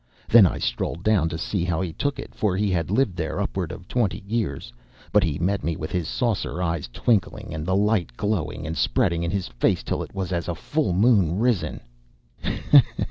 Then I strolled down to see how he took it, for he had lived there upward of twenty years. But he met me with his saucer eyes twinkling, and the light glowing and spreading in his face till it was as a full risen moon. "Ha! ha!